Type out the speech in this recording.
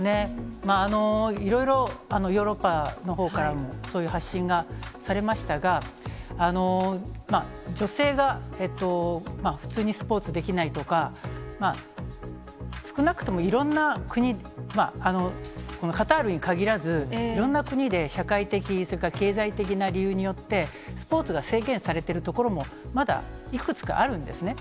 いろいろヨーロッパのほうからも、そういう発信がされましたが、女性が普通にスポーツできないとか、少なくともいろんな国、このカタールにかぎらず、いろんな国で社会的、それから経済的な理由によって、スポーツが制限されているところもまだいくつかあるんですね。